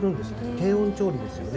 低温調理ですよね。